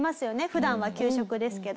普段は給食ですけど。